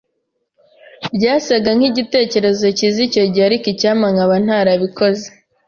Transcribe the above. Byasaga nkigitekerezo cyiza icyo gihe, ariko icyampa nkaba ntarabikoze.